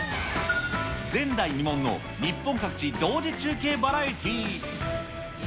前代未聞の日本各地同時中継バラエティー。